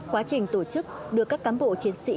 quá trình tổ chức được các cán bộ chiến sĩ